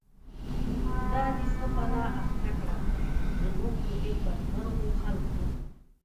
دا دی څه بلا اخته کړه، زمونږ په دی بد مرغوخلکو